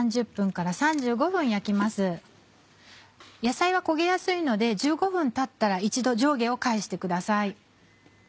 野菜は焦げやすいので１５分たったら一度上下を返してください。